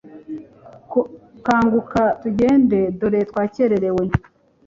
Kanguka tugende dore twakererewe